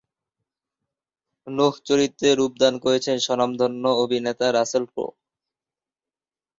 নূহ চরিত্রে রূপদান করেছেন স্বনামধন্য অভিনেতা রাসেল ক্রো।